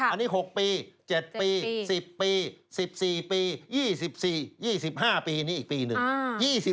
อันนี้๖ปี๗ปี๑๐ปี๑๔ปี๒๔๒๕ปีนี้อีกปีหนึ่ง